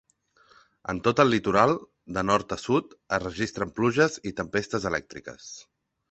En tot el litoral, de nord a sud, es registren pluges i tempestes elèctriques.